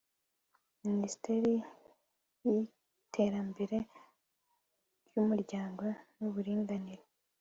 minisiteri y'iterambere ry'umuryango n'uburinganire